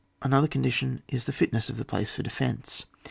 Another condition is, the fitness of the place for defence.